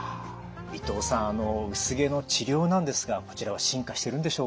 伊藤さん薄毛の治療なんですがこちらは進化してるんでしょうか？